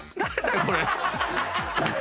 これ。